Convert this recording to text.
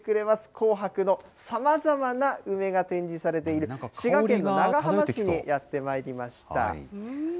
紅白のさまざまな梅が展示されている、滋賀県長浜市にやってまいりました。